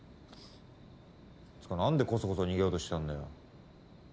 つか何でこそこそ逃げようとしたんだよ。